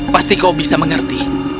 pasti kau bisa mengerti